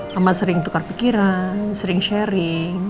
mama sering tukar pikiran sering sharing